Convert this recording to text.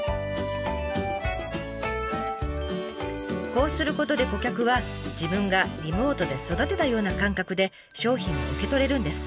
こうすることで顧客は自分がリモートで育てたような感覚で商品を受け取れるんです。